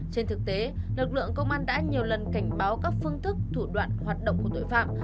trên thực tế lực lượng công an đã nhiều lần cảnh báo các phương thức thủ đoạn hoạt động của tội phạm